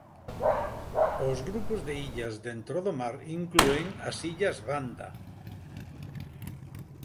Os grupos de illas dentro do mar inclúen as Illas Banda.